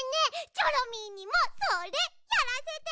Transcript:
チョロミーにもそれやらせて！